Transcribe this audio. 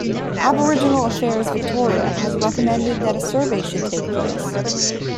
Aboriginal Affairs Victoria has recommended that a survey should take place.